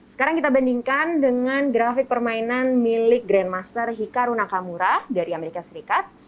sekarang kita bandingkan dengan grafik permainan milik grandmaster hikaruna kamura dari amerika serikat